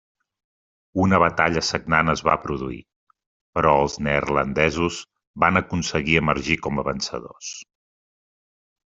Una batalla sagnant es va produir, però els neerlandesos van aconseguir emergir com a vencedors.